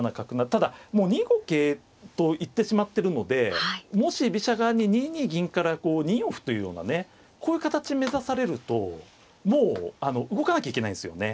ただもう２五桂と行ってしまってるのでもし居飛車側に２二銀から２四歩というようなねこういう形目指されるともう動かなきゃいけないんですよね。